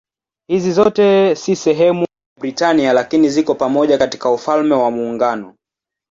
Hizi zote si sehemu ya Britania lakini ziko pamoja katika Ufalme wa Muungano.